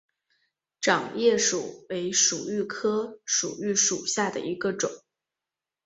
掌叶薯为薯蓣科薯蓣属下的一个种。